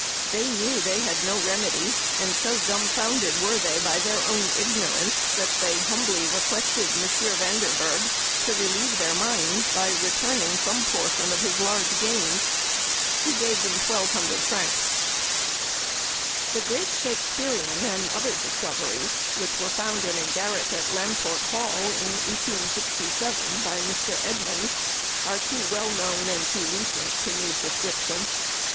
They knew they had no remedy, and so dumbfounded were they by their own ignorance, that they humbly requested M. Vanderberg to relieve their minds by returning some portion of his large gains. He gave them 1,200 francs. The great Shakespearian and other discoveries, which were found in a garret at Lamport Hall in 1867 by Mr. Edmonds, are too well known and too recent to need description.